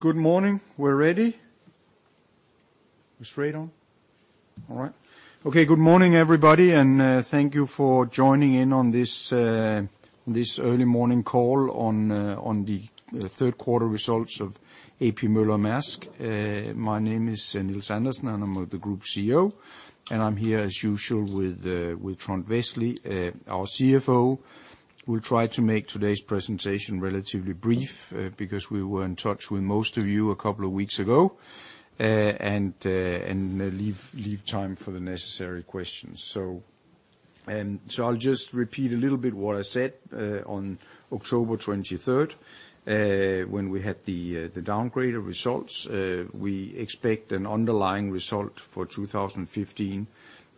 Good morning. We're ready. We're straight on? All right. Okay, good morning, everybody, and thank you for joining in on this early morning call on the third quarter results of A.P. Møller - Mærsk. My name is Nils Andersen, and I'm the Group CEO, and I'm here as usual with Trond Westlie, our CFO. We'll try to make today's presentation relatively brief because we were in touch with most of you a couple of weeks ago and leave time for the necessary questions. I'll just repeat a little bit what I said on October 23rd when we had the downgrade of results. We expect an underlying result for 2015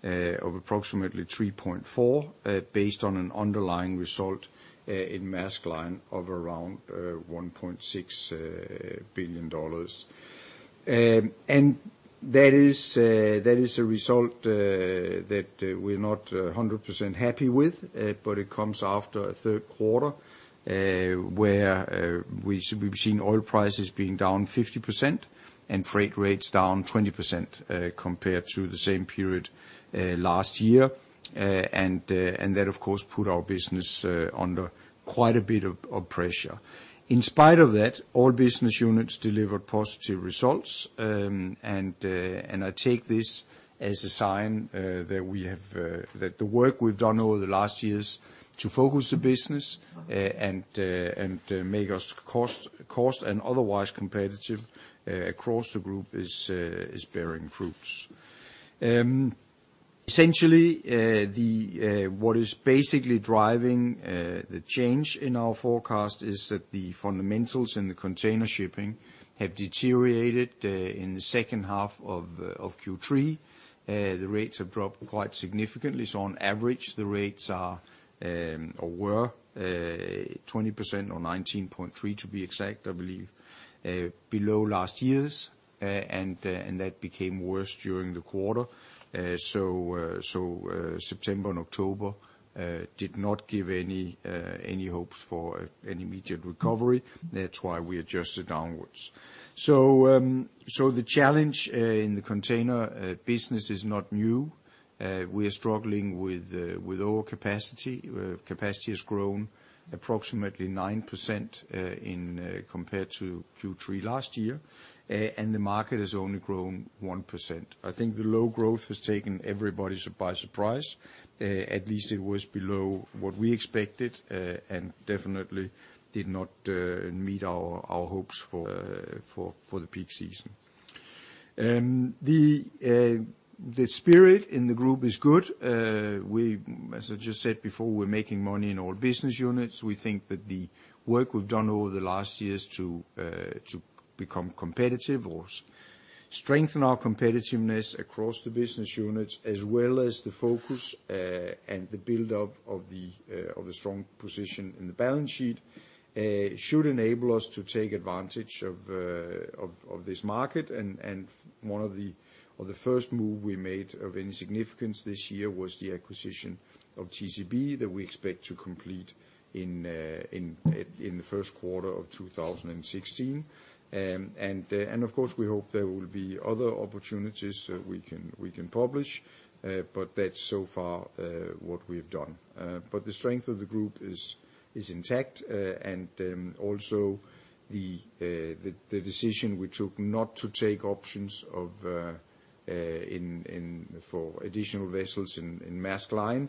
of approximately $3.4 billion, based on an underlying result in Maersk Line of around $1.6 billion. That is a result that we're not 100% happy with, but it comes after a third quarter where we've seen oil prices being down 50% and freight rates down 20% compared to the same period last year. That of course put our business under quite a bit of pressure. In spite of that, all business units delivered positive results. I take this as a sign that the work we've done over the last years to focus the business and make us cost and otherwise competitive across the group is bearing fruits. Essentially, what is basically driving the change in our forecast is that the fundamentals in the container shipping have deteriorated in the second half of Q3. The rates have dropped quite significantly, so on average, the rates are or were 20% or 19.3% to be exact, I believe, below last year's. That became worse during the quarter. September and October did not give any hopes for an immediate recovery. That's why we adjusted downwards. The challenge in the container business is not new. We are struggling with overcapacity. Capacity has grown approximately 9% compared to Q3 last year. The market has only grown 1%. I think the low growth has taken everybody by surprise. At least it was below what we expected and definitely did not meet our hopes for the peak season. The spirit in the group is good. We, as I just said before, we're making money in all business units. We think that the work we've done over the last years to become competitive or strengthen our competitiveness across the business units, as well as the focus, and the build-up of the strong position in the balance sheet, should enable us to take advantage of this market. The first move we made of any significance this year was the acquisition of TCB that we expect to complete in the first quarter of 2016. Of course, we hope there will be other opportunities we can pursue, but that's so far what we've done. The strength of the group is intact. Also, the decision we took not to take options for additional vessels in Maersk Line,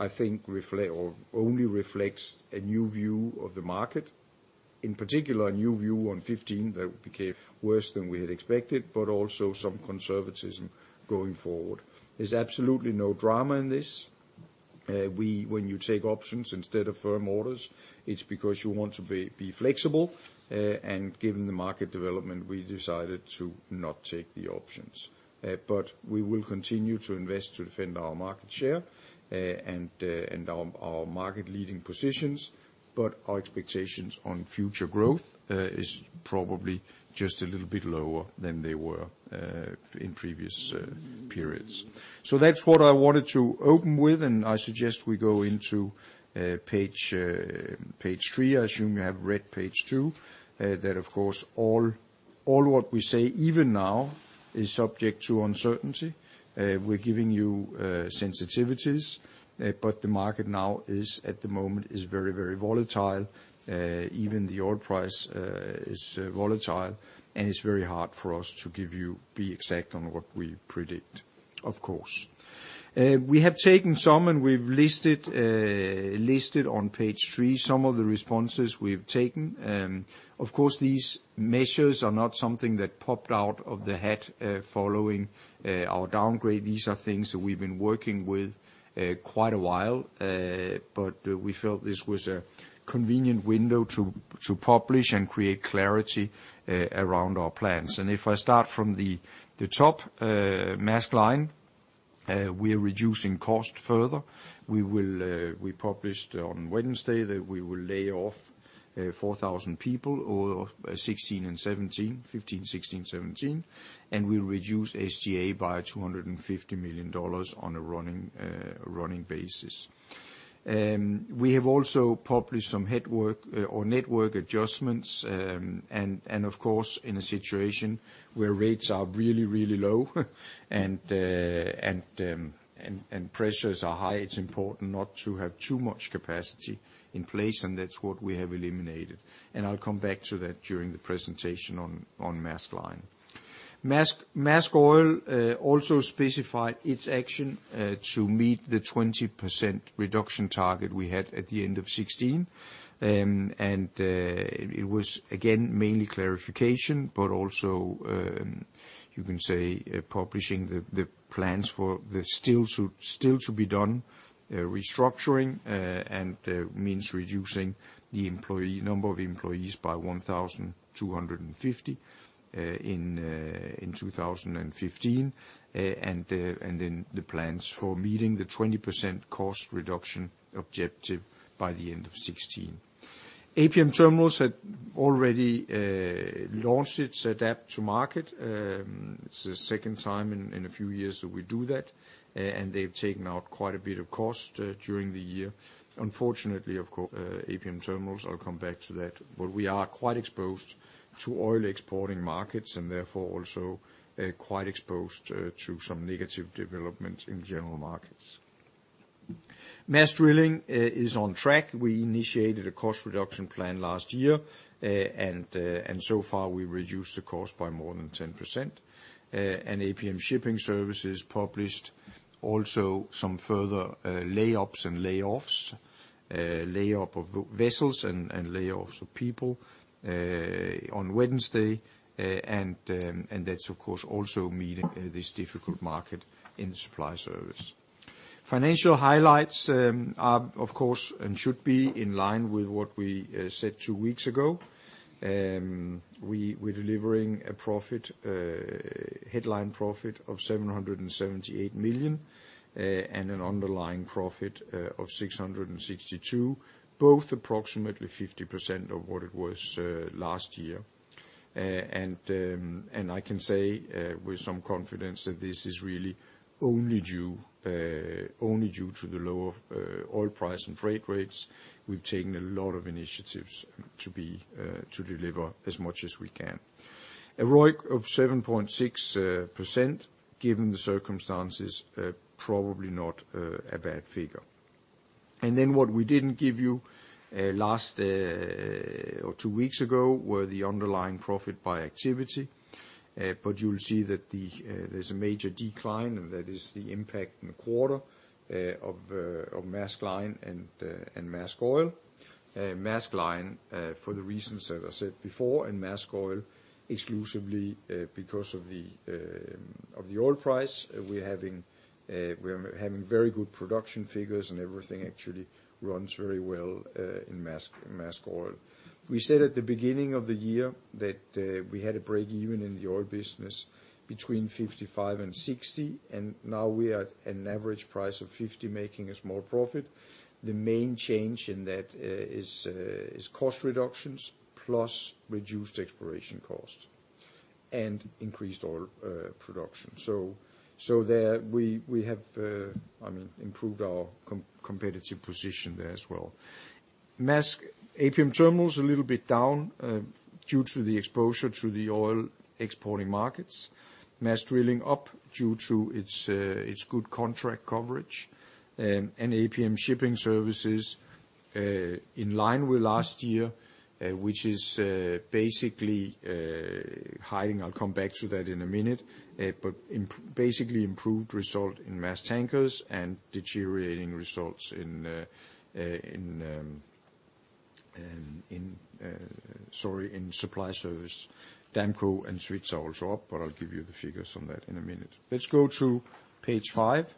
I think it only reflects a new view of the market. In particular, a new view on 2015 that became worse than we had expected, but also some conservatism going forward. There's absolutely no drama in this. When you take options instead of firm orders, it's because you want to be flexible. Given the market development, we decided to not take the options. We will continue to invest to defend our market share, and our market-leading positions. Our expectations on future growth is probably just a little bit lower than they were in previous periods. That's what I wanted to open with, and I suggest we go into page three. I assume you have read page two. That of course, all what we say even now is subject to uncertainty. We're giving you sensitivities. But the market now, at the moment, is very, very volatile. Even the oil price is volatile, and it's very hard for us to be exact on what we predict, of course. We have taken some, and we've listed on page three some of the responses we've taken. Of course, these measures are not something that popped out of the hat following our downgrade. These are things that we've been working with quite a while. We felt this was a convenient window to publish and create clarity around our plans. If I start from the top, Maersk Line, we are reducing cost further. We published on Wednesday that we will lay-off 4,000 people over 2015, 2016, and 2017, and we'll reduce SG&A by $250 million on a running basis. We have also published some headcount and network adjustments, and of course, in a situation where rates are really low and pressures are high, it's important not to have too much capacity in place, and that's what we have eliminated. I'll come back to that during the presentation on Maersk Line. Maersk Oil also specified its action to meet the 20% reduction target we had at the end of 2016. It was again mainly clarification, but also you can say publishing the plans for the still to be done restructuring, and means reducing the number of employees by 1,250 in 2015. Then the plans for meeting the 20% cost reduction objective by the end of 2016. APM Terminals had already launched its adapt to market. It's the second time in a few years that we do that, and they've taken out quite a bit of cost during the year. Unfortunately, of course, APM Terminals, I'll come back to that, but we are quite exposed to oil exporting markets and therefore also quite exposed to some negative developments in general markets. Maersk Drilling is on track. We initiated a cost reduction plan last year, and so far we've reduced the cost by more than 10%. APM Shipping Services published also some further lay-ups and lay-offs, lay-up of vessels and lay-offs of people on Wednesday. That's of course also meeting this difficult market in Maersk Supply Service. Financial highlights are of course and should be in line with what we said two weeks ago. We're delivering a profit, headline profit of $778 million and an underlying profit of $662 million, both approximately 50% of what it was last year. I can say with some confidence that this is really only due to the lower oil price and freight rates. We've taken a lot of initiatives to deliver as much as we can. A ROIC of 7.6%, given the circumstances, probably not a bad figure. What we didn't give you last or two weeks ago were the underlying profit by activity. You'll see that there's a major decline, and that is the impact in the quarter of Maersk Line and Maersk Oil. Maersk Line for the reasons that I said before, and Maersk Oil exclusively because of the oil price, we're having very good production figures, and everything actually runs very well in Maersk Oil. We said at the beginning of the year that we had a breakeven in the oil business between $55-$60, and now we are at an average price of $50, making a small profit. The main change in that is cost reductions plus reduced exploration costs and increased oil production. There we have, I mean, improved our competitive position there as well. Maersk APM Terminals a little bit down due to the exposure to the oil exporting markets. Maersk Drilling up due to its good contract coverage. APM Shipping Services in line with last year, which is basically hiding. I'll come back to that in a minute. Basically improved result in Maersk Tankers and deteriorating results in Maersk Supply Service. Damco and Svitzer also up, but I'll give you the figures on that in a minute. Let's go to page five.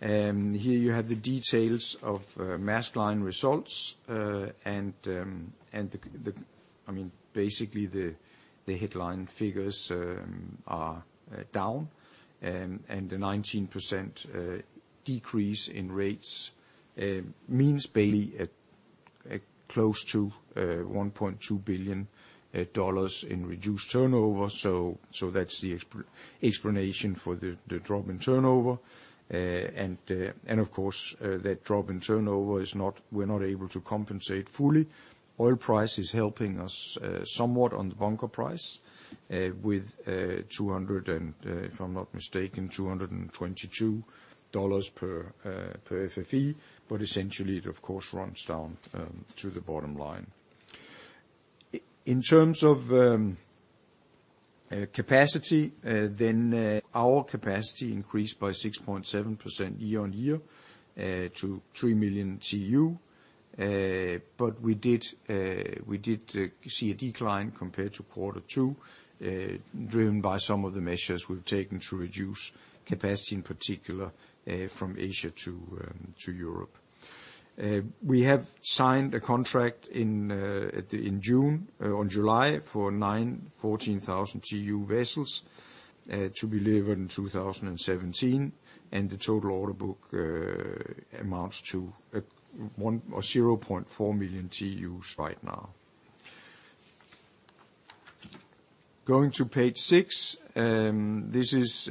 Here you have the details of Maersk Line results. The, I mean, basically the headline figures are down, and a 19% decrease in rates means mainly a close to $1.2 billion in reduced turnover. That's the explanation for the drop in turnover. Of course, that drop in turnover is not, we're not able to compensate fully. Oil price is helping us somewhat on the bunker price with $222, if I'm not mistaken, per FFE. Essentially, it of course runs down to the bottom line. In terms of capacity, our capacity increased by 6.7% year-on-year to 3 million TEU. We did see a decline compared to quarter two, driven by some of the measures we've taken to reduce capacity, in particular, from Asia to Europe. We have signed a contract in June or July for nine 14,000 TEU vessels to be delivered in 2017, and the total order book amounts to 10.4 million TEUs right now. Going to page six. This is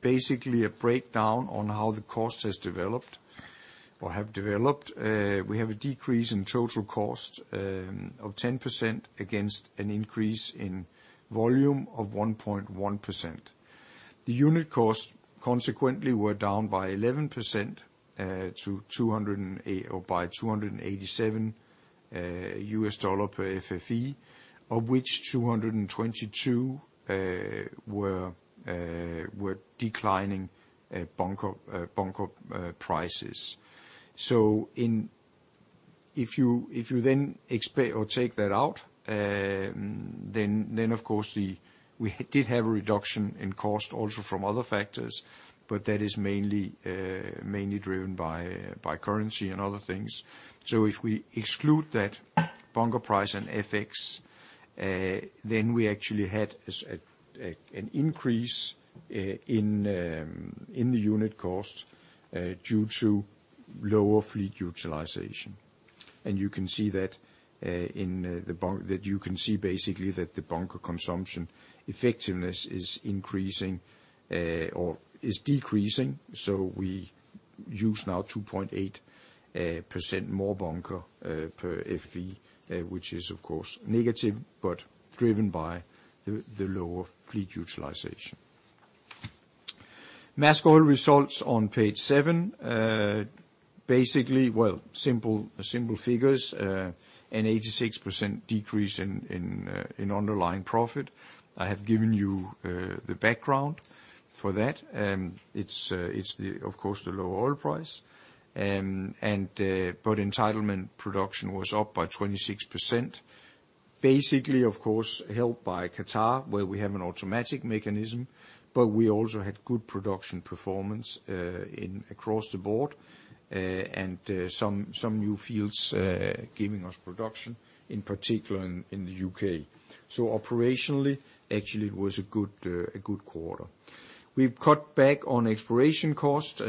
basically a breakdown on how the cost has developed or have developed. We have a decrease in total cost of 10% against an increase in volume of 1.1%. The unit costs consequently were down by 11% to $287 per FFE, of which $222 were declining bunker prices. If you then take that out, then of course we did have a reduction in cost also from other factors, but that is mainly driven by currency and other things. If we exclude that bunker price and FX, then we actually had an increase in the unit cost due to lower fleet utilization. You can see that basically the bunker consumption effectiveness is decreasing. We use now 2.8% more bunker per FFE, which is of course negative, but driven by the lower fleet utilization. Maersk Oil results on page seven. Basically, simple figures, an 86% decrease in underlying profit. I have given you the background for that. It's, of course, the lower oil price. Entitlement production was up by 26%, basically, of course, helped by Qatar, where we have an automatic mechanism. We also had good production performance across the board, and some new fields giving us production, in particular in the U.K. Operationally, actually it was a good quarter. We've cut back on exploration costs.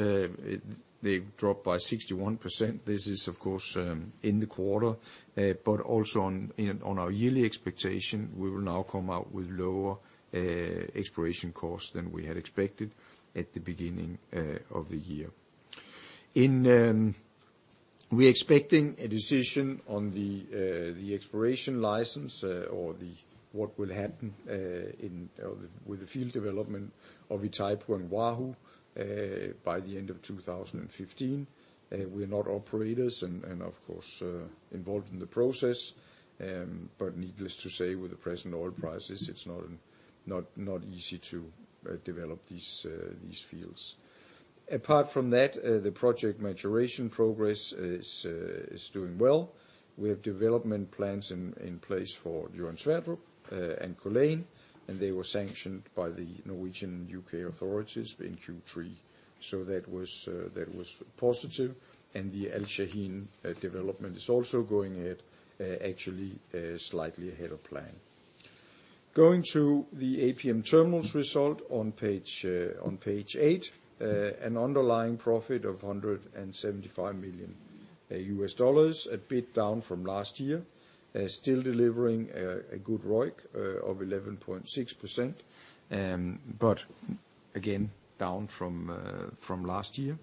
They've dropped by 61%. This is of course, in the quarter. Also on our yearly expectation, we will now come out with lower exploration costs than we had expected at the beginning of the year. We're expecting a decision on the exploration license or what will happen with the field development of Itaipu and Wahoo by the end of 2015. We are not operators and of course involved in the process. Needless to say, with the present oil prices, it's not easy to develop these fields. Apart from that, the project maturation progress is doing well. We have development plans in place for Johan Sverdrup and Culzean, and they were sanctioned by the Norwegian and UK authorities in Q3. That was positive, and the Al-Shaheen development is also going ahead actually slightly ahead of plan. Going to the APM Terminals result on page eight. An underlying profit of $175 million, a bit down from last year. Still delivering a good ROIC of 11.6%. Again, down from last year.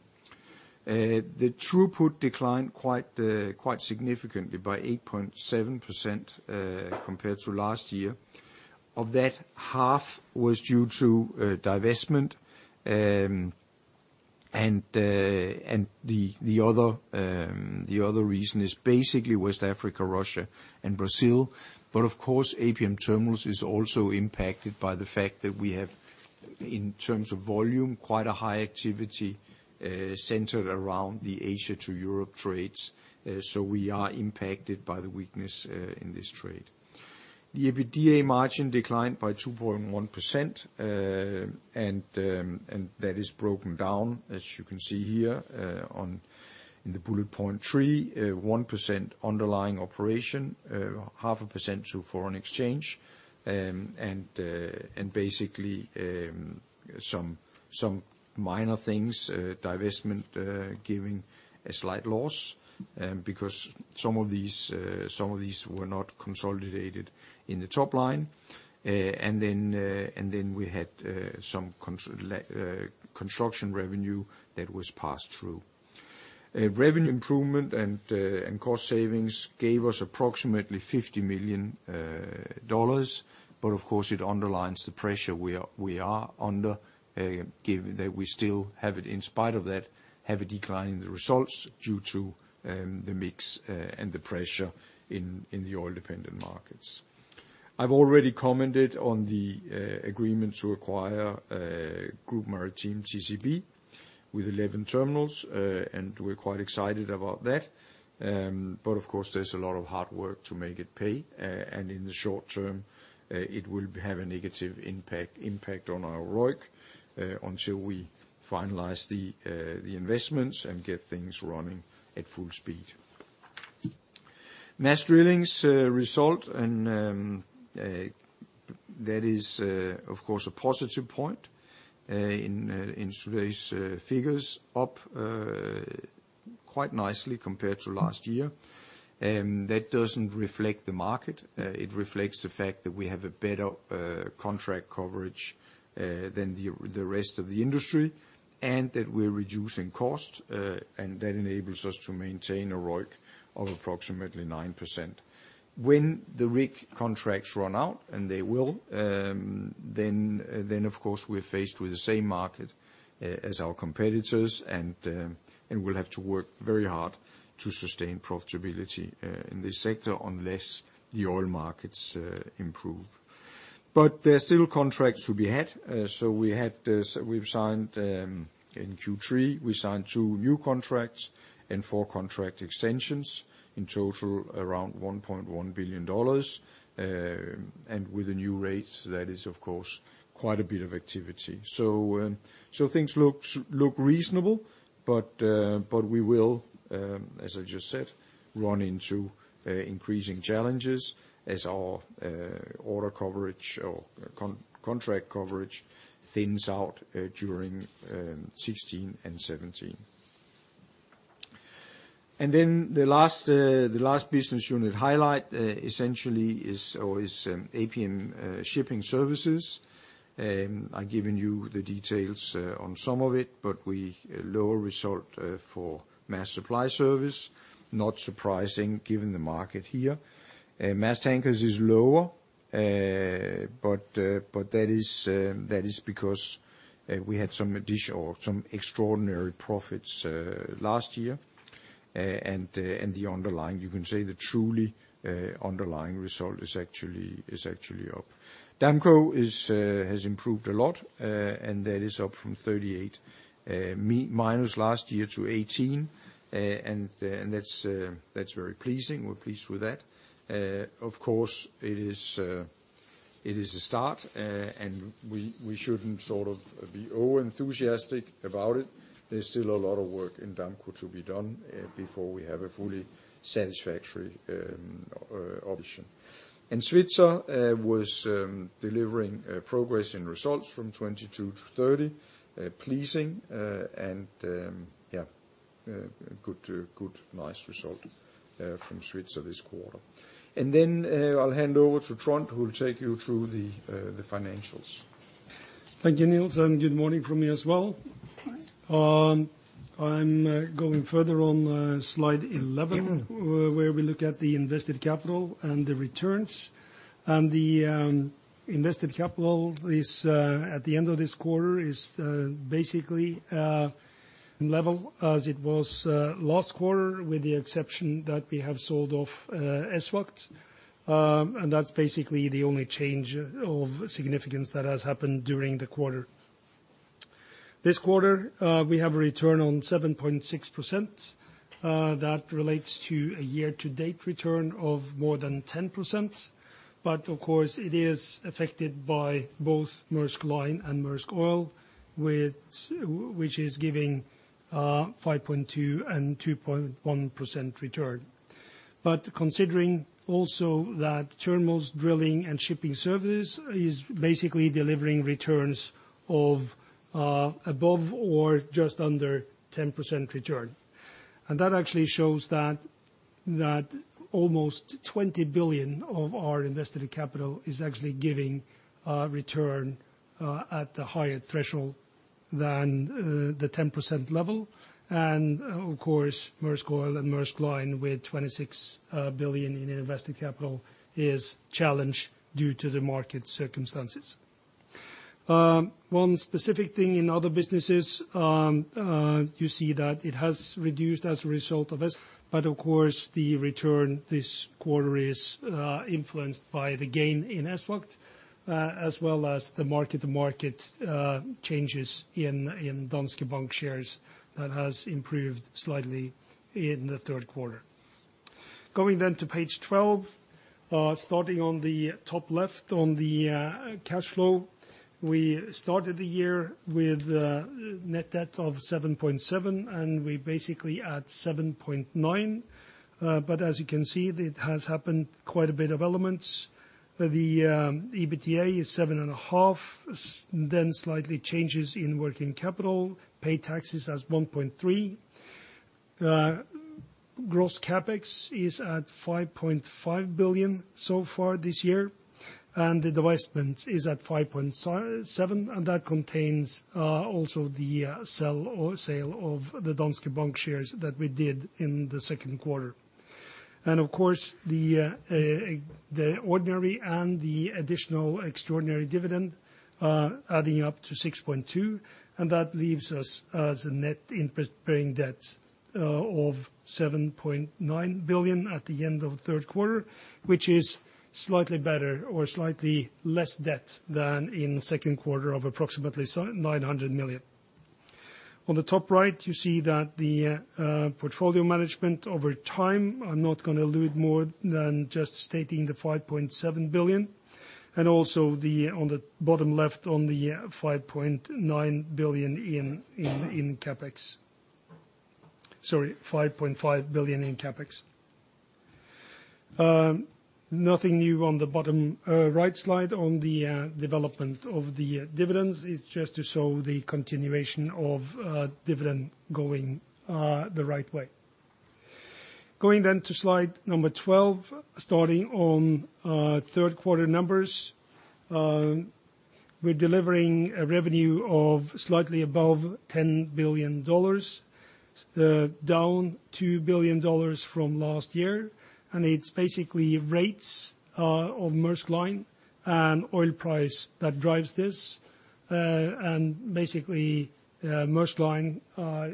The throughput declined quite significantly by 8.7%, compared to last year. Of that, half was due to divestment. The other reason is basically West Africa, Russia, and Brazil. Of course, APM Terminals is also impacted by the fact that we have, in terms of volume, quite a high activity centered around the Asia to Europe trades. We are impacted by the weakness in this trade. The EBITDA margin declined by 2.1%. That is broken down, as you can see here, in bullet point three. 1% underlying operation, 0.5% to foreign exchange. Basically, some minor things, divestment giving a slight loss, because some of these were not consolidated in the top line. Then we had some construction revenue that was passed through. Revenue improvement and cost savings gave us approximately $50 million. But of course, it underlines the pressure we are under, given that we still have, in spite of that, a decline in the results due to the mix and the pressure in the oil-dependent markets. I've already commented on the agreement to acquire Grup Maritim TCB with 11 terminals, and we're quite excited about that. Of course, there's a lot of hard work to make it pay. In the short term, it will have a negative impact on our ROIC until we finalize the investments and get things running at full speed. Maersk Drilling's result and that is of course a positive point in today's figures, up quite nicely compared to last year. That doesn't reflect the market, it reflects the fact that we have a better contract coverage than the rest of the industry, and that we're reducing costs, and that enables us to maintain a ROIC of approximately 9%. When the rig contracts run out, and they will, then of course we're faced with the same market as our competitors and we'll have to work very hard to sustain profitability in this sector unless the oil markets improve. There are still contracts to be had, so we've signed in Q3 two new contracts and four contract extensions, in total, around $1.1 billion. With the new rates, that is of course quite a bit of activity. Things look reasonable, but we will, as I just said, run into increasing challenges as our order coverage or contract coverage thins out during 2016 and 2017. Then the last business unit highlight essentially is always APM Shipping Services. I've given you the details on some of it, but we have lower result for Maersk Supply Service. Not surprising given the market here. Maersk Tankers is lower, but that is because we had some extraordinary profits last year. And the underlying, you can say the truly underlying result is actually up. Damco has improved a lot, and that is up from $-38 million last year to $18 million. And that's very pleasing. We're pleased with that. Of course it is a start and we shouldn't sort of be over-enthusiastic about it. There's still a lot of work in Damco to be done before we have a fully satisfactory option. Svitzer was delivering progress in results from $22 million-$30 million. Pleasing and yeah, a good nice result from Svitzer this quarter. I'll hand over to Trond, who will take you through the financials. Thank you, Nils, and good morning from me as well. Thanks. I'm going further on slide 11, where we look at the invested capital and the returns. The invested capital is at the end of this quarter basically level as it was last quarter, with the exception that we have sold off ESVAGT. That's basically the only change of significance that has happened during the quarter. This quarter, we have a return on 7.6%, that relates to a year-to-date return of more than 10%. Of course, it is affected by both Maersk Line and Maersk Oil, with which is giving 5.2% and 2.1% return. Considering also that terminals, drilling and shipping services is basically delivering returns of above or just under 10% return. That actually shows that almost $20 billion of our invested capital is actually giving return at the higher threshold than the 10% level. Of course, Maersk Oil and Maersk Line with $26 billion in invested capital is challenged due to the market circumstances. One specific thing in Other businesses, you see that it has reduced as a result of this. Of course, the return this quarter is influenced by the gain in ESVAGT as well as the market changes in Danske Bank shares that has improved slightly in the third quarter. Going to page 12, starting on the top left on the cash flow. We started the year with net debt of $7.7 billion, and we're basically at $7.9 billion. As you can see, it has happened quite a bit of elements. The EBITDA is $7.5 billion. Then slightly changes in working capital. Paid taxes as $1.3 billion. Gross CapEx is at $5.5 billion so far this year. The divestment is at $5.7 billion, and that contains also the sell or sale of the Danske Bank shares that we did in the second quarter. Of course the ordinary and the additional extraordinary dividend adding up to $6.2 billion, and that leaves us as a net interest-bearing debt of $7.9 billion at the end of the third quarter, which is slightly better or slightly less debt than in the second quarter of approximately $900 million. On the top right, you see that the portfolio management over time, I'm not gonna allude more than just stating the $5.7 billion, and also the on the bottom left, on the $5.9 billion in CapEx. Sorry, $5.5 billion in CapEx. Nothing new on the bottom right slide on the development of the dividends. It's just to show the continuation of dividend going the right way. Going then to slide number 12, starting on third quarter numbers. We're delivering a revenue of slightly above $10 billion, down $2 billion from last year, and it's basically rates on Maersk Line and oil price that drives this. Basically, Maersk Line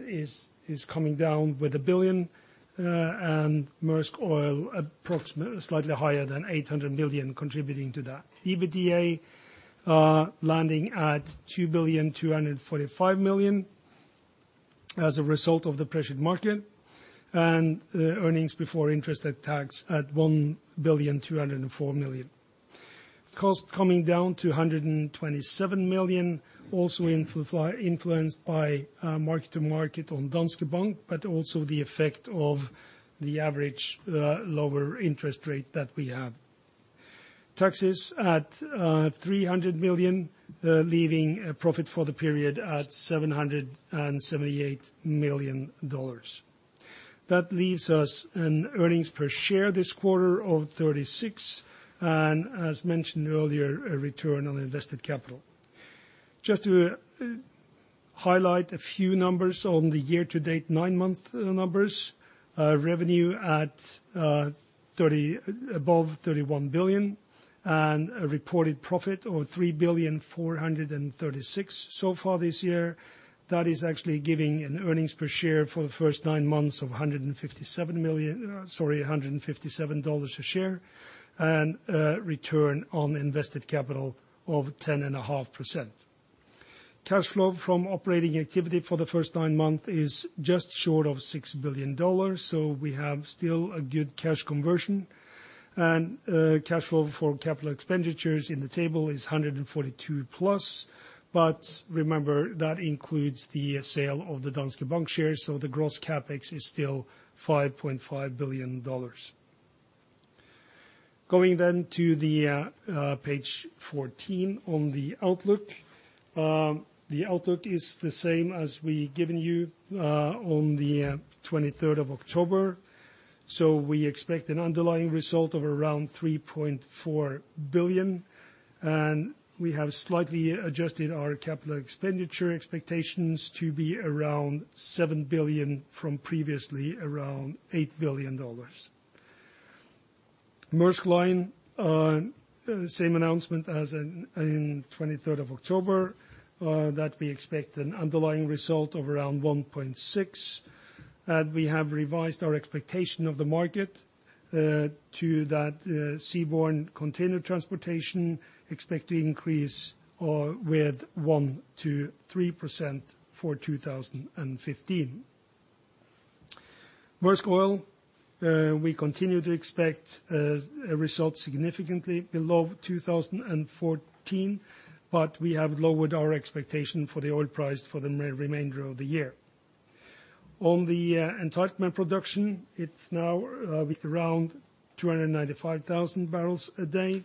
is coming down with $1 billion, and Maersk Oil approximately slightly higher than $800 million contributing to that. EBITDA landing at $2.245 billion as a result of the pressured market, and earnings before interest and tax at $1.204 billion. Cost coming down to $127 million, also influenced by mark-to-market on Danske Bank, but also the effect of the average lower interest rate that we have. Taxes at $300 million, leaving a profit for the period at $778 million. That leaves us an earnings per share this quarter of $36, and as mentioned earlier, a return on invested capital. Just to highlight a few numbers on the year-to-date nine-month numbers. Revenue above $31 billion and a reported profit of $3.436 billion so far this year. That is actually giving an earnings per share for the first nine months of $157 a share and a return on invested capital of 10.5%. Cash flow from operating activity for the first nine months is just short of $6 billion, so we have still a good cash conversion. Cash flow for capital expenditures in the table is $142+. But remember, that includes the sale of the Danske Bank shares, so the gross CapEx is still $5.5 billion. Going to page 14 on the outlook. The outlook is the same as we've given you on the 23rd of October. We expect an underlying result of around $3.4 billion, and we have slightly adjusted our capital expenditure expectations to be around $7 billion from previously around $8 billion. Maersk Line, same announcement as in 23rd of October, that we expect an underlying result of around $1.6 billion. We have revised our expectation of the market to that seaborne container transportation expect to increase with 1%-3% for 2015. Maersk Oil, we continue to expect a result significantly below 2014, but we have lowered our expectation for the oil price for the remainder of the year. On the entitlement production, it's now with around 295,000 bbls a day,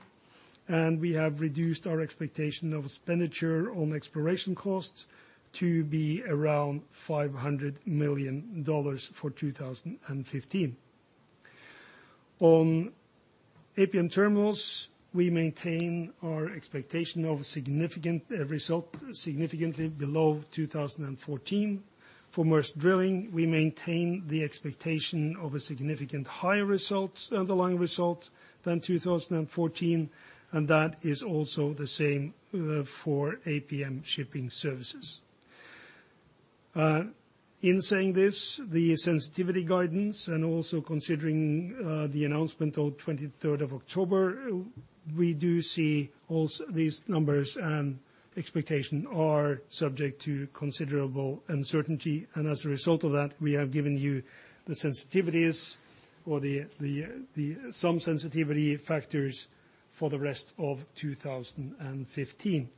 and we have reduced our expectation of expenditure on exploration costs to be around $500 million for 2015. On APM Terminals, we maintain our expectation of a significant result significantly below 2014. For Maersk Drilling, we maintain the expectation of a significant higher result, underlying result than 2014, and that is also the same for APM Shipping Services. In saying this, the sensitivity guidance and also considering the announcement of the 23rd of October, we do see these numbers and expectation are subject to considerable uncertainty, and as a result of that, we have given you the sensitivities or some sensitivity factors for the rest of 2015.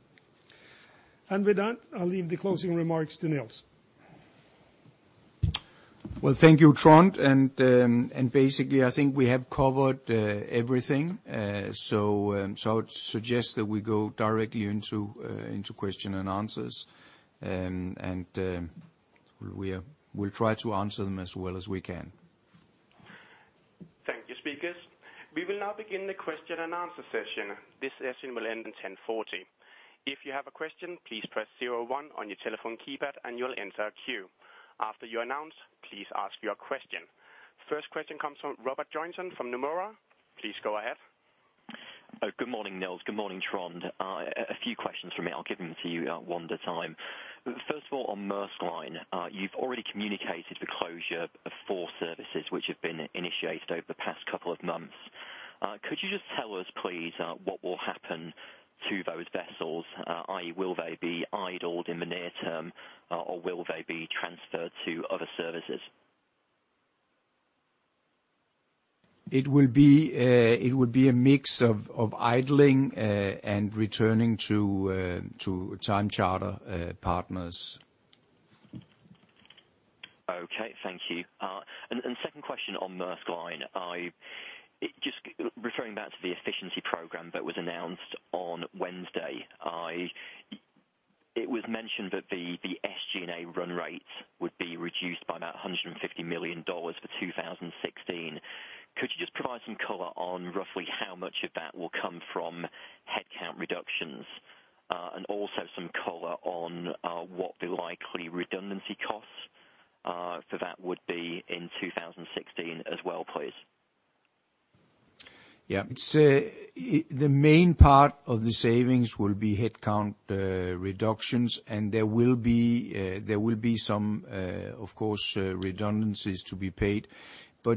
With that, I'll leave the closing remarks to Nils. Well, thank you, Trond, and basically, I think we have covered everything. I would suggest that we go directly into question and answers. We'll try to answer them as well as we can. Thank you, speakers. We will now begin the question-and-answer session. This session will end at 10:40 A.M. If you have a question, please press zero one on your telephone keypad and you'll enter a queue. After you announce, please ask your question. First question comes from Robert Joynson from Nomura. Please go ahead. Good morning, Nils. Good morning, Trond. A few questions from me. I'll give them to you one at a time. First of all, on Maersk Line, you've already communicated the closure of four services which have been initiated over the past couple of months. Could you just tell us, please, what will happen to those vessels? I.e., will they be idled in the near term, or will they be transferred to other services? It would be a mix of idling and returning to time charter partners. Okay, thank you. Second question on Maersk Line. I just referring back to the efficiency program that was announced on Wednesday. It was mentioned that the SG&A run rate would be reduced by about $150 million for 2016. Could you just provide some color on roughly how much of that will come from headcount reductions, and also some color on what the likely redundancy costs for that would be in 2016 as well, please? Yeah. It's the main part of the savings will be headcount reductions, and there will be some, of course, redundancies to be paid.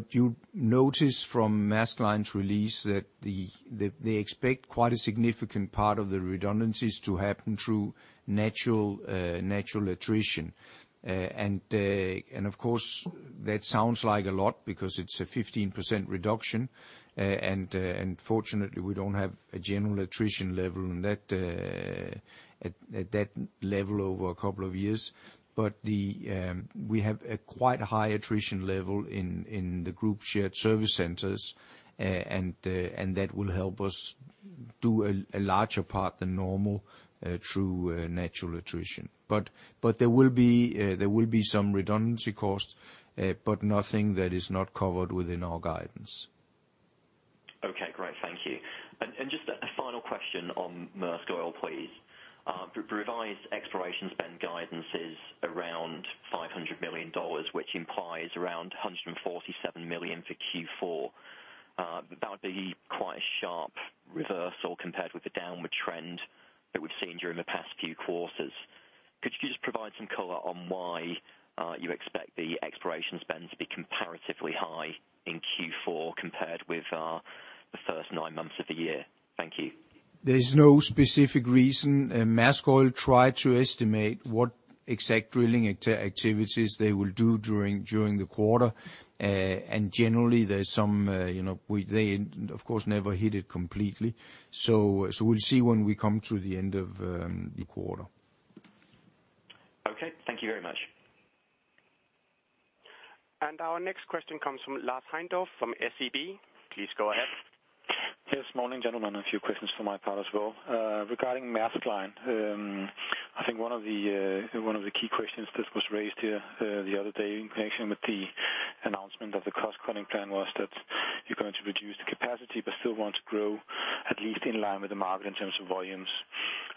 You'll notice from Maersk Line's release that they expect quite a significant part of the redundancies to happen through natural attrition. Of course, that sounds like a lot because it's a 15% reduction. Fortunately, we don't have a general attrition level at that level over a couple of years. We have a quite high attrition level in the group shared service centers. That will help us do a larger part than normal through natural attrition. There will be some redundancy costs, but nothing that is not covered within our guidance. Okay, great. Thank you. Just a final question on Maersk Oil, please. Revised exploration spend guidance is around $500 million, which implies around $147 million for Q4. That would be quite a sharp reversal compared with the downward trend that we've seen during the past few quarters. Could you just provide some color on why you expect the exploration spend to be comparatively high in Q4 compared with the first nine months of the year? Thank you. There is no specific reason. Maersk Oil tried to estimate what exact drilling activities they will do during the quarter. Generally, there's some, you know, they, of course, never hit it completely. We'll see when we come to the end of the quarter. Okay, thank you very much. Our next question comes from Lars Heindorff from SEB. Please go ahead. Yes. Morning, gentlemen. A few questions from my part as well. Regarding Maersk Line, I think one of the key questions that was raised here, the other day in connection with the announcement of the cost-cutting plan was that you're going to reduce the capacity but still want to grow at least in line with the market in terms of volumes.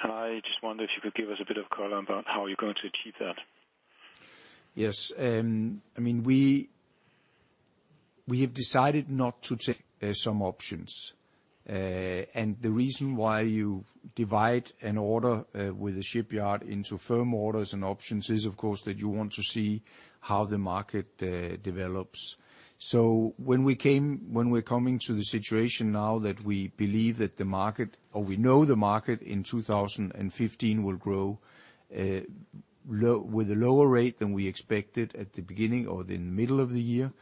I just wondered if you could give us a bit of color about how you're going to achieve that. Yes. I mean, we have decided not to take some options. The reason why you divide an order with a shipyard into firm orders and options is, of course, that you want to see how the market develops. When we're coming to the situation now that we believe that the market, or we know the market in 2015 will grow with a lower rate than we expected at the beginning or the middle of the year,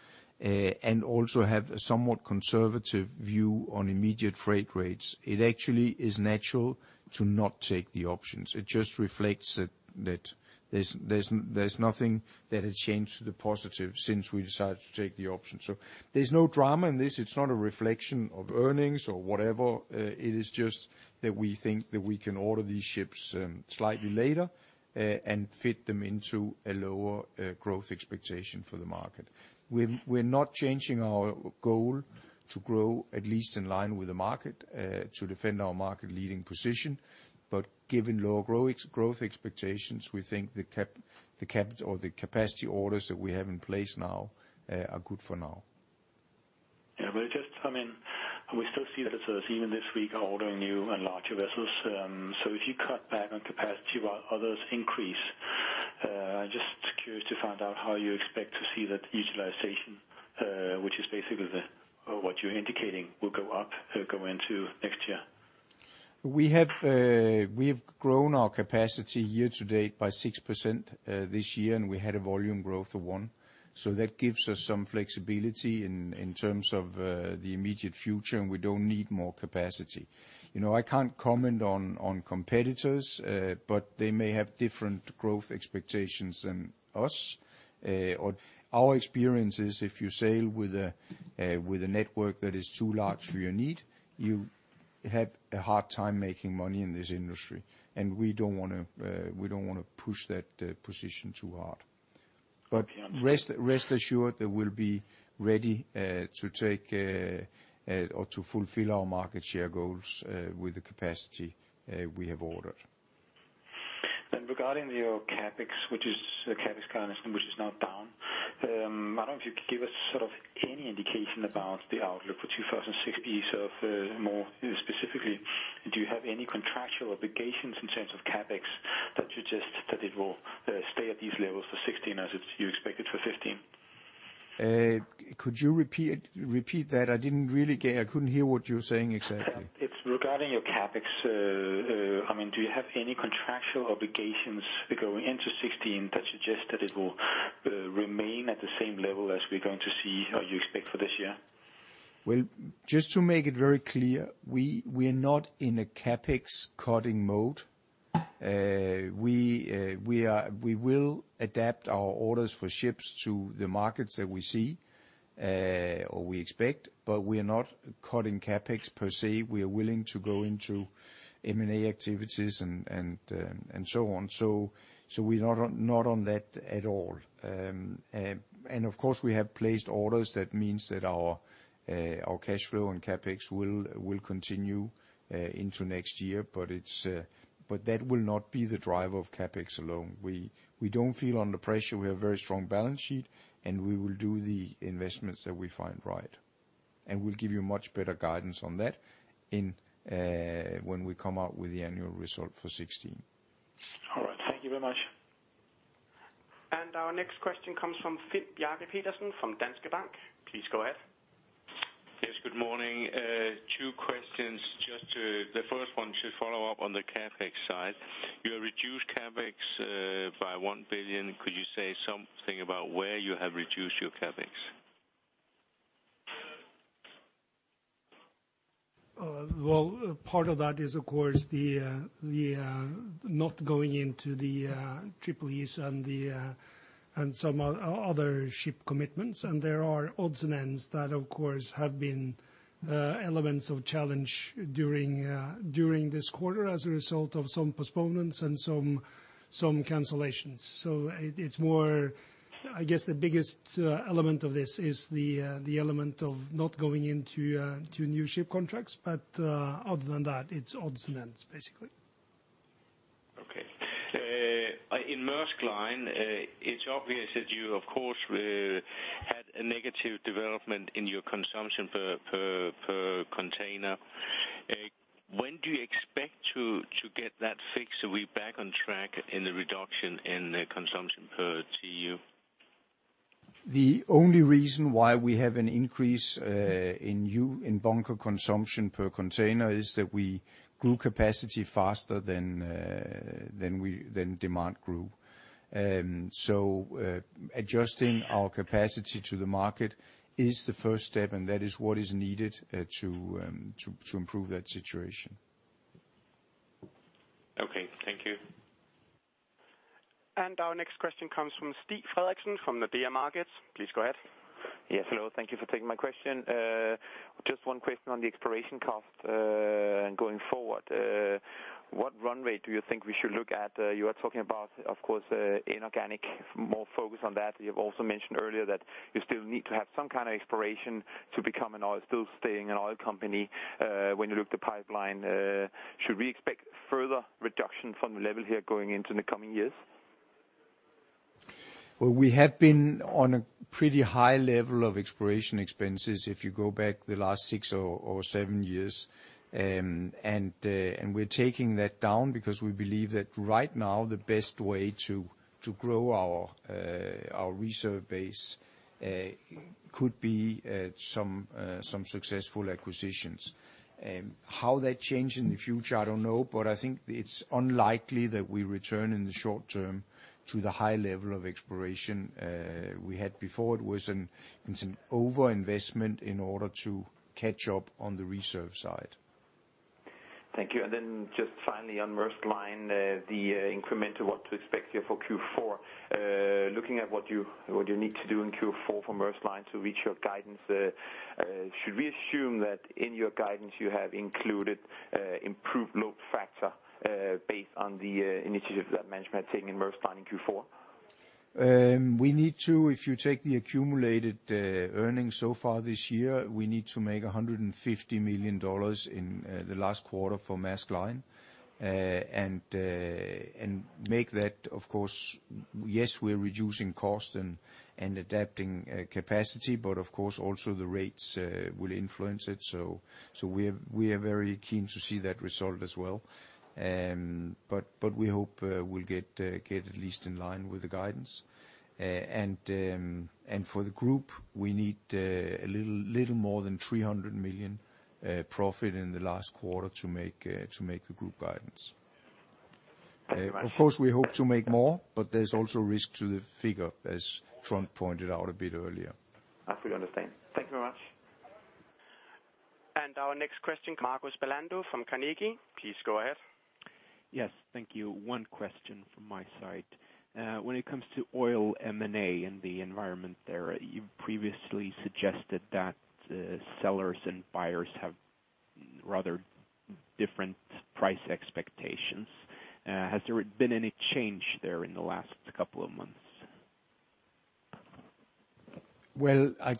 and also have a somewhat conservative view on immediate freight rates, it actually is natural to not take the options. It just reflects that there's nothing that has changed to the positive since we decided to take the option. There's no drama in this. It's not a reflection of earnings or whatever. It is just that we think that we can order these ships slightly later and fit them into a lower growth expectation for the market. We're not changing our goal to grow at least in line with the market to defend our market-leading position. Given lower growth expectations, we think the capacity orders that we have in place now are good for now. Yeah. Just, I mean, we still see that competitors even this week are ordering new and larger vessels. If you cut back on capacity while others increase, just curious to find out how you expect to see that utilization, which is basically the what you're indicating will go up, going into next year. We have grown our capacity year-to-date by 6% this year, and we had a volume growth of 1%. That gives us some flexibility in terms of the immediate future, and we don't need more capacity. You know, I can't comment on competitors, but they may have different growth expectations than us. Our experience is if you sail with a network that is too large for your need, you have a hard time making money in this industry, and we don't wanna push that position too hard. Okay, understood. Rest assured that we'll be ready to fulfill our market share goals with the capacity we have ordered. Regarding your CapEx, which is CapEx guidance, which is now down, I don't know if you could give us sort of any indication about the outlook for 2016. More specifically, do you have any contractual obligations in terms of CapEx that it will stay at these levels for 2016 as is, you expect it for 2015? Could you repeat that? I didn't really get, I couldn't hear what you were saying exactly. It's regarding your CapEx. I mean, do you have any contractual obligations going into 2016 that suggest that it will remain at the same level as we're going to see or you expect for this year? Well, just to make it very clear, we're not in a CapEx cutting mode. We will adapt our orders for ships to the markets that we see or we expect, but we are not cutting CapEx per se. We are willing to go into M&A activities and so on. We're not on that at all. And of course we have placed orders. That means that our cash flow and CapEx will continue into next year. That will not be the driver of CapEx alone. We don't feel under pressure. We have very strong balance sheet, and we will do the investments that we find right. We'll give you much better guidance on that in when we come out with the annual result for 2016. All right. Thank you very much. Our next question comes from Finn Bjarke Petersen from Danske Bank. Please go ahead. Yes, good morning. Two questions. Just, the first one to follow up on the CapEx side. You have reduced CapEx by $1 billion. Could you say something about where you have reduced your CapEx? Well, part of that is of course the not going into the Triple-E's and some other ship commitments. There are odds and ends that of course have been elements of challenge during this quarter as a result of some postponements and some cancellations. It's more. I guess the biggest element of this is the element of not going into new ship contracts. Other than that, it's odds and ends, basically. Okay. In Maersk Line, it's obvious that you of course had a negative development in your consumption per container. When do you expect to get that fixed and be back on track in the reduction in the consumption per TEU? The only reason why we have an increase in bunker consumption per container is that we grew capacity faster than demand grew. Adjusting our capacity to the market is the first step, and that is what is needed to improve that situation. Okay, thank you. Our next question comes from Stig Frederiksen from the Nordea Markets. Please go ahead. Yes, hello. Thank you for taking my question. Just one question on the exploration cost, going forward. What runway do you think we should look at? You are talking about, of course, inorganic, more focus on that. You have also mentioned earlier that you still need to have some kind of exploration to become an oil, still staying an oil company, when you look at the pipeline. Should we expect further reduction from the level here going into the coming years? Well, we have been on a pretty high level of exploration expenses if you go back the last six or seven years. And we're taking that down because we believe that right now the best way to grow our reserve base could be some successful acquisitions. How that change in the future, I don't know. I think it's unlikely that we return in the short term to the high level of exploration we had before. It's an overinvestment in order to catch up on the reserve side. Thank you. Just finally on Maersk Line, the incremental, what to expect here for Q4. Looking at what you need to do in Q4 for Maersk Line to reach your guidance, should we assume that in your guidance you have included improved load factor based on the initiative that management had taken in Maersk Line in Q4? We need to, if you take the accumulated earnings so far this year, we need to make $150 million in the last quarter for Maersk Line. And make that of course, yes, we're reducing cost and adapting capacity, but of course also the rates will influence it. We are very keen to see that result as well. We hope we'll get at least in line with the guidance. For the group, we need a little more than $300 million profit in the last quarter to make the group guidance. Thank you very much. Of course, we hope to make more, but there's also risk to the figure, as Trond pointed out a bit earlier. I fully understand. Thank you very much. Our next question, Marcus Bellander from Carnegie. Please go ahead. Yes. Thank you. One question from my side. When it comes to oil M&A and the environment there, you previously suggested that sellers and buyers have rather different price expectations. Has there been any change there in the last couple of months? Well, I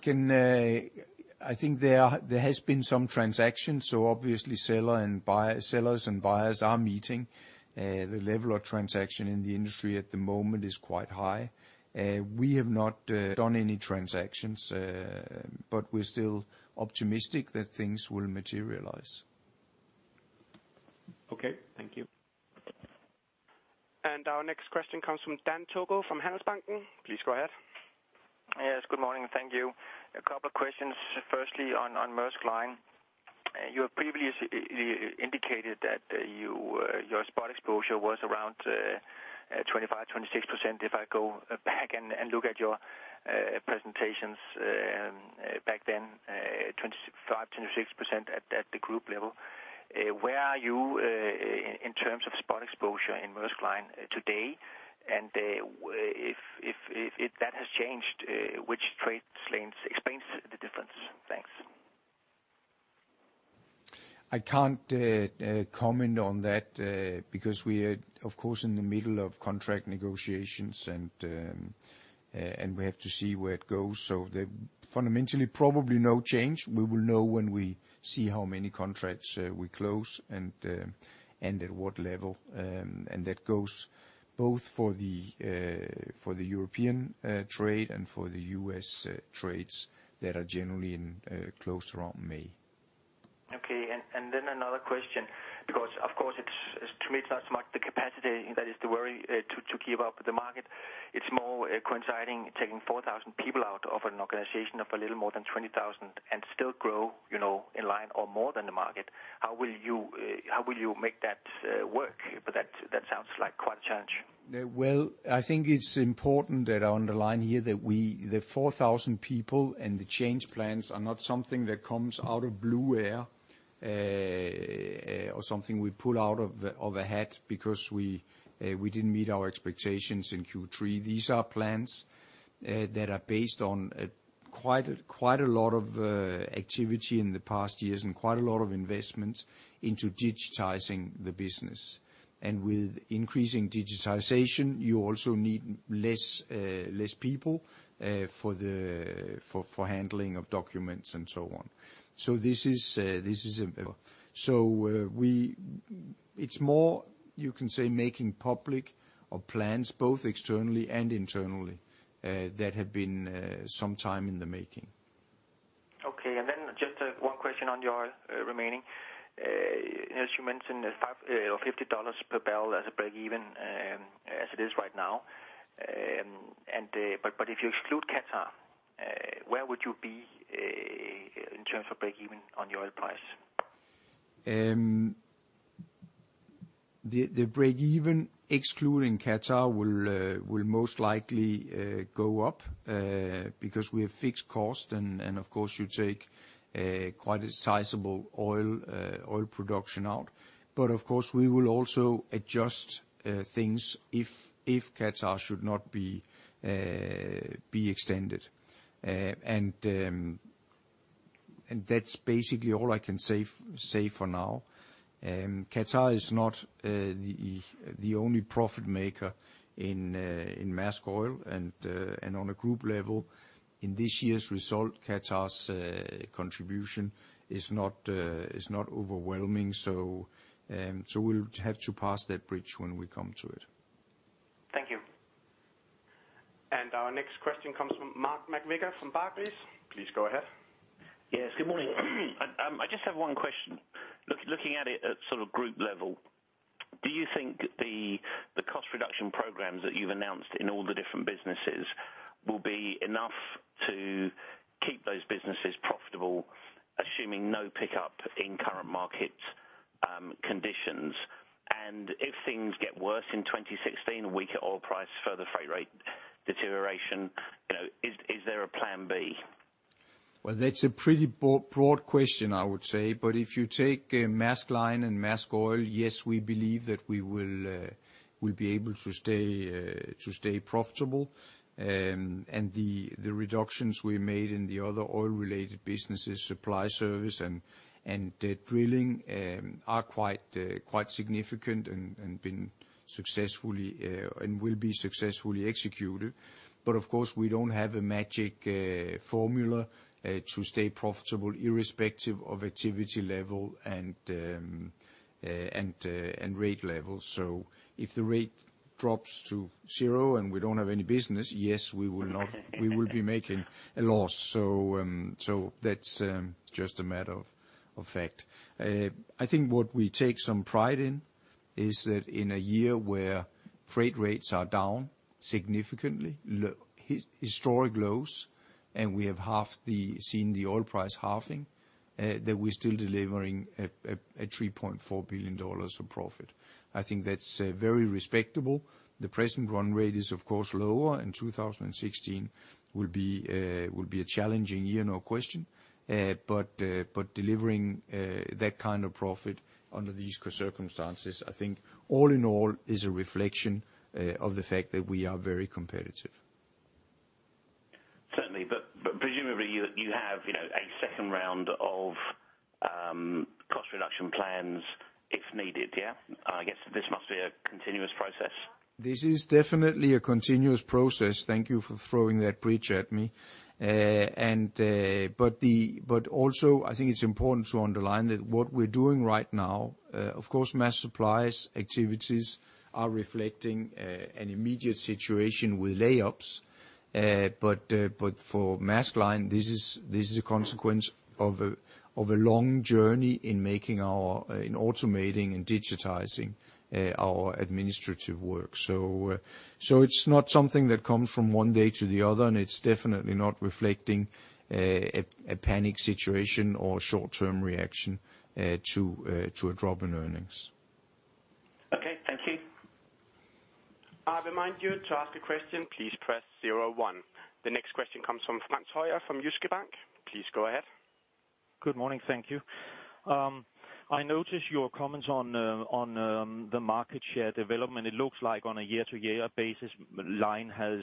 think there have been some transactions, so obviously sellers and buyers are meeting. The level of transaction in the industry at the moment is quite high. We have not done any transactions, but we're still optimistic that things will materialize. Okay, thank you. Our next question comes from Dan Togo Jensen from Handelsbanken. Please go ahead. Yes. Good morning. Thank you. A couple of questions. Firstly, on Maersk Line. You have previously indicated that your spot exposure was around 25%, 26%. If I go back and look at your presentations back then, 25%, 26% at the group level. Where are you in terms of spot exposure in Maersk Line today? If that has changed, which trade lanes explains the difference? Thanks. I can't comment on that because we are, of course, in the middle of contract negotiations, and we have to see where it goes. Fundamentally, probably no change. We will know when we see how many contracts we close and at what level. That goes both for the European trade and for the U.S. trades that are generally closed around May. Okay. Then another question, because, of course, to me, it's not so much the capacity that is the worry to keep up with the market. It's more concerning taking 4,000 people out of an organization of a little more than 20,000 and still grow, you know, in line or more than the market. How will you make that work? That sounds like quite a challenge. Well, I think it's important that I underline here that we, the 4,000 people and the change plans are not something that comes out of blue air, or something we pull out of a hat because we didn't meet our expectations in Q3. These are plans that are based on quite a lot of activity in the past years and quite a lot of investments into digitizing the business. With increasing digitization, you also need less people for handling of documents and so on. This is important. It's more, you can say, making public of plans both externally and internally that have been some time in the making. Just one question on your remaining. As you mentioned, $50 per barrel as a breakeven, as it is right now. If you exclude Qatar, where would you be in terms of breakeven on your oil price? The breakeven excluding Qatar will most likely go up because we have fixed cost and of course you take quite a sizable oil production out. We will also adjust things if Qatar should not be extended. That's basically all I can say for now. Qatar is not the only profit maker in Maersk Oil and on a group level. In this year's result, Qatar's contribution is not overwhelming. We'll have to pass that bridge when we come to it. Thank you. Our next question comes from Mark McVicar from Barclays. Please go ahead. Yes, good morning. I just have one question. Looking at it at sort of group level, do you think the cost reduction programs that you've announced in all the different businesses will be enough to keep those businesses profitable, assuming no pickup in current market conditions? If things get worse in 2016, weaker oil price, further freight rate deterioration, you know, is there a plan B? Well, that's a pretty broad question, I would say. If you take Maersk Line and Maersk Oil, yes, we believe that we'll be able to stay profitable. The reductions we made in the other oil related businesses, Maersk Supply Service and Maersk Drilling, are quite significant and will be successfully executed. Of course, we don't have a magic formula to stay profitable irrespective of activity level and rate levels. If the rate drops to zero and we don't have any business, yes, we will be making a loss. That's just a matter of fact. I think what we take some pride in is that in a year where freight rates are down significantly, historic lows, and we have seen the oil price halving, that we're still delivering a $3.4 billion of profit. I think that's very respectable. The present run rate is, of course, lower, and 2016 will be a challenging year, no question. Delivering that kind of profit under these circumstances, I think all in all is a reflection of the fact that we are very competitive. Certainly. Presumably you have, you know, a second round of cost reduction plans if needed, yeah? I guess this must be a continuous process. This is definitely a continuous process. Thank you for throwing that bridge at me. I think it's important to underline that what we're doing right now, of course, Maersk suppliers' activities are reflecting an immediate situation with lay-ups. For Maersk Line, this is a consequence of a long journey in automating and digitizing our administrative work. It's not something that comes from one day to the other, and it's definitely not reflecting a panic situation or short-term reaction to a drop in earnings. Okay, thank you. I remind you to ask a question, please press zero one. The next question comes from Frans Høyer from Jyske Bank. Please go ahead. Good morning, thank you. I noticed your comments on the market share development. It looks like on a year-to-year basis, Line has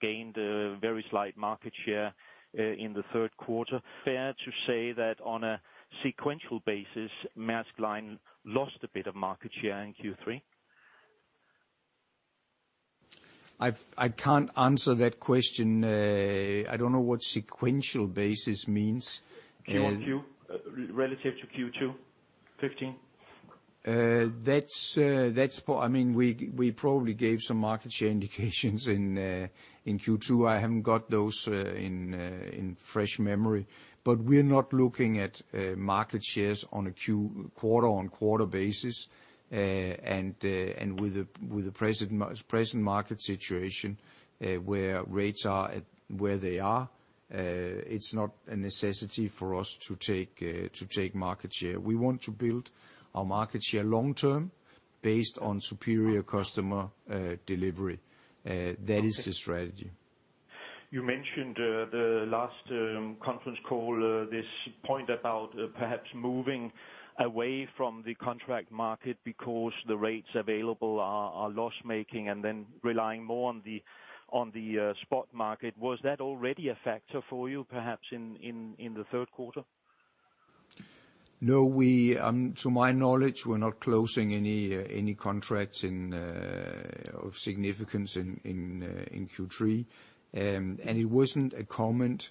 gained a very slight market share in the third quarter. Fair to say that on a sequential basis, Maersk Line lost a bit of market share in Q3? I can't answer that question. I don't know what sequential basis means. Quarter-over-quarter, relative to Q2 2015. I mean, we probably gave some market share indications in Q2. I haven't got those in fresh memory. We're not looking at market shares on a quarter-on-quarter basis. With the present market situation, where rates are at where they are, it's not a necessity for us to take market share. We want to build our market share long term based on superior customer delivery. That is the strategy. You mentioned the last conference call this point about perhaps moving away from the contract market because the rates available are loss-making, and then relying more on the spot market. Was that already a factor for you, perhaps in the third quarter? No, to my knowledge, we're not closing any contracts of significance in Q3. It wasn't a comment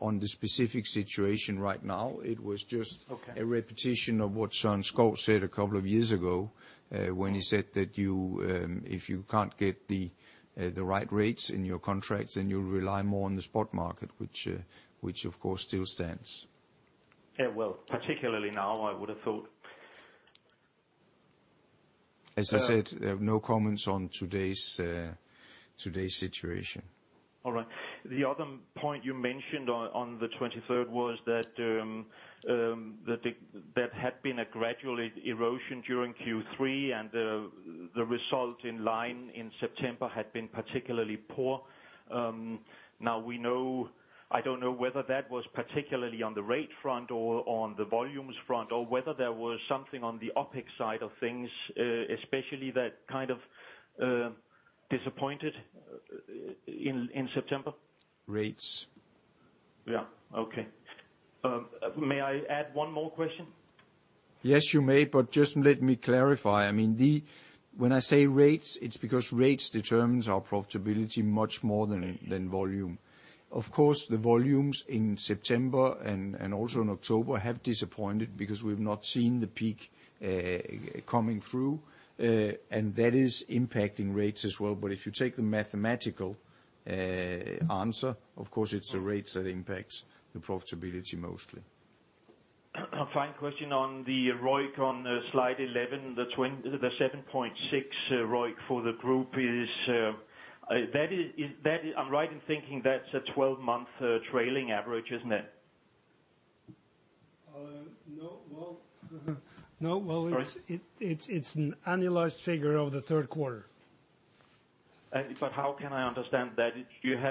on the specific situation right now. It was just. Okay. A repetition of what Søren Skou said a couple of years ago, when he said that you if you can't get the right rates in your contracts, then you rely more on the spot market, which of course still stands. Yeah, well, particularly now I would have thought. As I said, no comments on today's situation. All right. The other point you mentioned on the twenty-third was that there had been a gradual erosion during Q3 and the result in Maersk Line in September had been particularly poor. Now we know, I don't know whether that was particularly on the rate front or on the volumes front, or whether there was something on the OpEx side of things, especially that kind of disappointed in September. Rates. Yeah. Okay. May I add one more question? Yes, you may, but just let me clarify. I mean, when I say rates, it's because rates determine our profitability much more than volume. Of course, the volumes in September and also in October have disappointed because we've not seen the peak coming through. And that is impacting rates as well. If you take the mathematical answer, of course it's the rates that impact the profitability mostly. A final question on the ROIC on slide 11, the 7.6% ROIC for the group is, that is. I'm right in thinking that's a 12-month trailing average, isn't it? No. Well, it's- Sorry.... It's an annualized figure of the third quarter. How can I understand that?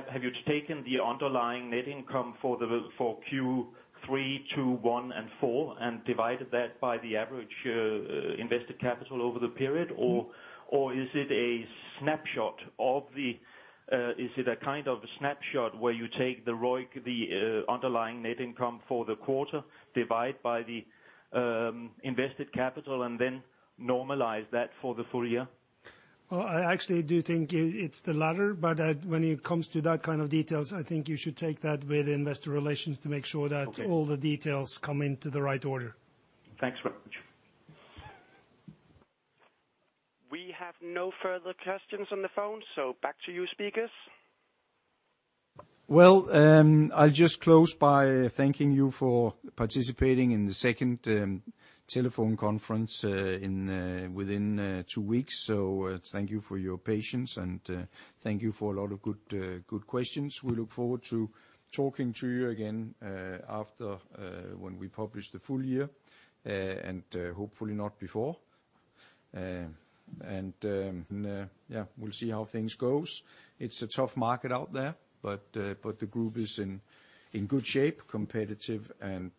Have you taken the underlying net income for Q3, Q2, Q1, and Q4, and divided that by the average invested capital over the period or is it a kind of snapshot where you take the ROIC, the underlying net income for the quarter, divide by the invested capital, and then normalize that for the full year? Well, I actually do think it's the latter, but when it comes to that kind of details, I think you should take that with Investor Relations to make sure that- Okay. ...all the details come into the right order. Thanks very much. We have no further questions on the phone. Back to you, speakers. Well, I'll just close by thanking you for participating in the second telephone conference within two weeks. Thank you for your patience and thank you for a lot of good questions. We look forward to talking to you again after when we publish the full year and hopefully not before. Yeah, we'll see how things goes. It's a tough market out there, but the group is in good shape, competitive, and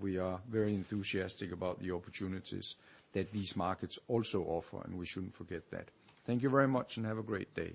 we are very enthusiastic about the opportunities that these markets also offer, and we shouldn't forget that. Thank you very much and have a great day.